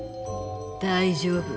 大丈夫！